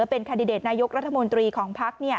เป็นคาร์ดิเดตนายกรัฐมนตรีของภักดิ์เนี่ย